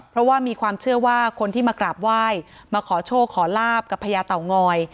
เพราะว่ามีความเชื่อว่าคนที่มากราบไหว้มาขอโชคขอลาบกับพญาเต่างอย